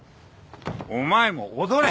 お前も踊れ！